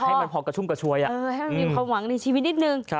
เออให้มันมีความหวังในชีวิตนิดนึง